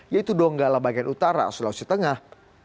yaitu donggala bagian utara sulawesi tengah